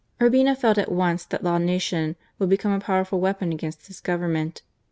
Urbina felt at once that La Nacion would become a powerful weapon against his Government.